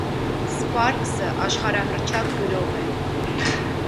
Սպարկսը աշխարհահռչակ գրող է։